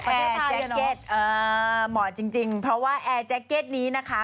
แอร์แจ็คเก็ตเหมาะจริงเพราะว่าแอร์แจ็คเก็ตนี้นะคะ